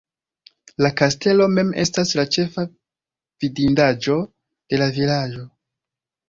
La kastelo mem estas la ĉefa vidindaĵo en la vilaĝo.